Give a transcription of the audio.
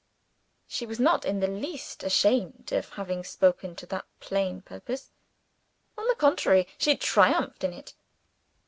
She was not in the least ashamed of having spoken to that plain purpose. On the contrary, she triumphed in it.